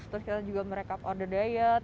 terus kita juga merekap order diet